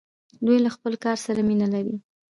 دوی له خپل کار سره مینه لري.